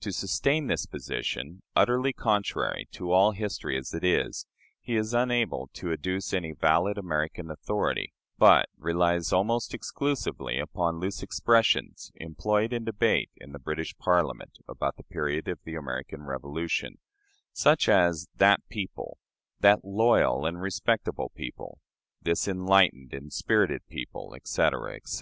To sustain this position utterly contrary to all history as it is he is unable to adduce any valid American authority, but relies almost exclusively upon loose expressions employed in debate in the British Parliament about the period of the American Revolution such as "that people," "that loyal and respectable people," "this enlightened and spirited people," etc., etc.